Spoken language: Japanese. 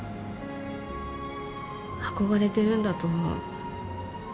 憧れてるんだと思う。